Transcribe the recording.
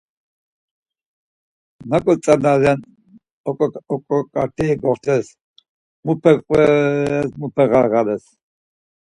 Naǩo tzana ren oǩoǩateri goxtes, muepe qves, muepe ğarğales?